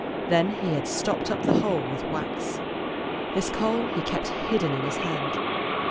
Then he had stopped up the hole with wax. This coal he kept hidden in his hand.